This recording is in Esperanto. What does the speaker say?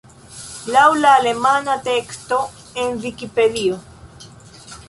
Laŭ la alemana teksto en Vikipedio.